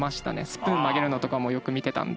スプーン曲げるのとかもよく見てたんで。